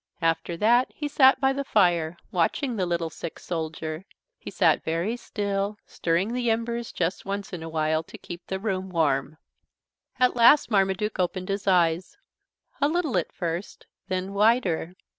After that he sat by the fire, watching the little sick soldier. He sat very still, stirring the embers just once in a while to keep the room warm. At last Marmaduke opened his eyes, a little at first, then wider.